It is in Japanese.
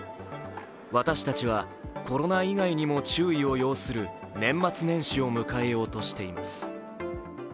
私たちは、コロナ以外にも注意を要する年末年始を迎えようとしています。